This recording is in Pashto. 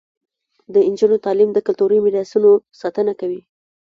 د نجونو تعلیم د کلتوري میراثونو ساتنه کوي.